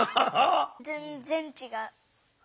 ぜんぜんちがう。